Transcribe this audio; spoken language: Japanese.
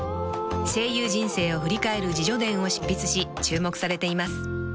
［声優人生を振り返る自叙伝を執筆し注目されています］